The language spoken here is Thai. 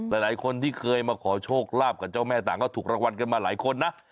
หลายคนที่เคยมาขอโชคลาภกับเจ้าแม่ต่างก็ถูกรางวัลกันมาหลายคนนะ